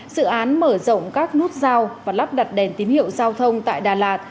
dự án mở rộng các nút giao và lắp đặt đèn tín hiệu giao thông tại đà lạt